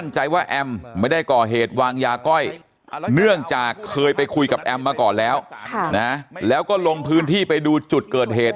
เนื่องจากเคยไปคุยกับแอมมาก่อนแล้วนะแล้วก็ลงพื้นที่ไปดูจุดเกิดเหตุ